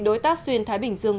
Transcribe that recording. đối tác xuyên thái bình dương